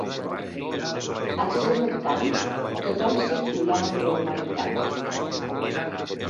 Al seu voltant tothom circula amb normalitat.